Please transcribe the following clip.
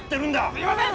すいません！